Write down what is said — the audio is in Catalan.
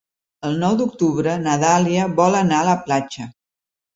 El nou d'octubre na Dàlia vol anar a la platja.